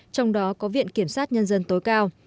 trong đó có viện kiểm sát nhân dân tối cao